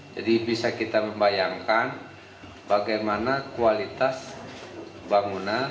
jadi bisa kita membayangkan bagaimana kualitas bangunan